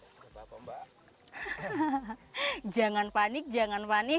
hahaha jangan panik jangan panik